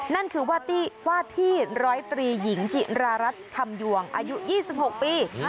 นั่นคือว่าที่ร้อยตรีหญิงจิรารัสคำยวงอายุ๒๖ปี